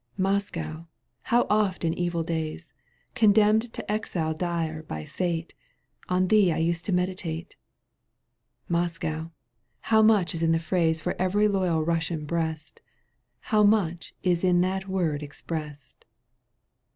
Moscow, how oft in evil days, '^ Condemned to exile dire by fate, On thee I used to meditate ! Moscow ! How much is in the phrase For every loyal Eussian breast ! How much is in that word expressed